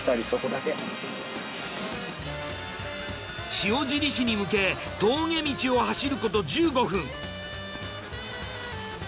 塩尻市に向け峠道を走ること１５分。